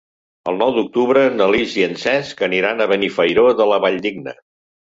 El nou d'octubre na Lis i en Cesc aniran a Benifairó de la Valldigna.